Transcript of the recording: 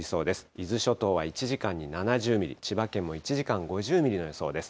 伊豆諸島は１時間に７０ミリ、千葉県も１時間５０ミリの予想です。